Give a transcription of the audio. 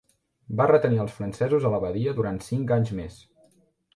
Va retenir als francesos a la badia durant cinc anys més.